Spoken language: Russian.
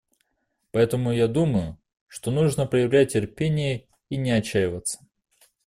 Поэтому я думаю, что нужно проявлять терпение и не отчаиваться.